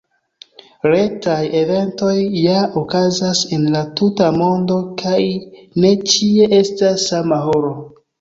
Retaj eventoj ja okazas en la tuta mondo kaj ne ĉie estas sama horo.